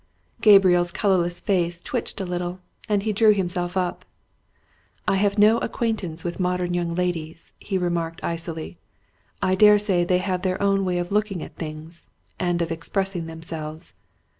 Gabriel's colourless face twitched a little, and he drew himself up. "I have no acquaintance with modern young ladies," he remarked icily. "I daresay they have their own way of looking at things and of expressing themselves.